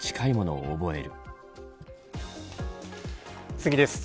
次です。